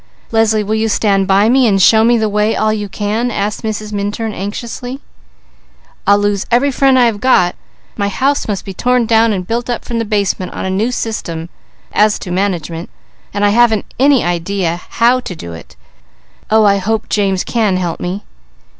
"Leslie, will you stand by me, and show me the way, all you can?" asked Mrs. Minturn anxiously. "I'll lose every friend I have got; my house must be torn down and built up from the basement on a new system, as to management; and I haven't an idea how to do it. Oh, I hope James can help me."